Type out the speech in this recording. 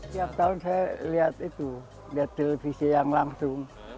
tiap tahun saya lihat itu lihat televisi yang langsung